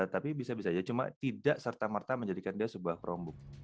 tapi bisa bisa jadi cuma tidak serta merta menjadikan dia sebuah chromebook